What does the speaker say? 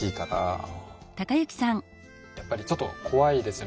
やっぱりちょっと怖いですよね。